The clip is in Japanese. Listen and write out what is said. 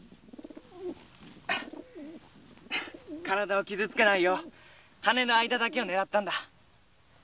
体を傷つけないように羽の間だけを狙ったんだ。